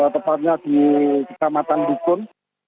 tepatnya di kedamatan bikun